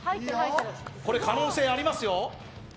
これ可能性ありますよ。